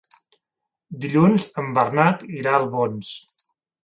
Dilluns en Bernat irà a Albons.